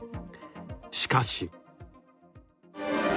しかし。